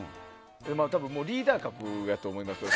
多分、リーダー格やと思いますよ。